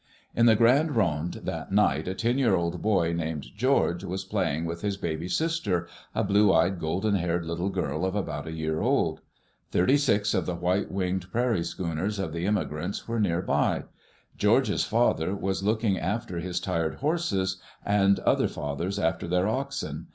In the Grande Ronde that night a ten year old boy named George was playing with his baby sister, a blue eyed, golden haired little girl of about a year old. Thirty six of the white winged prairie schooners of the inmiigrants were near by. George's father was looking after his tired horses, and other fathers after their oxen.